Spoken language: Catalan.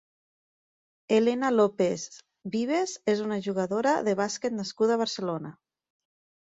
Helena López Vives és una jugadora de bàsquet nascuda a Barcelona.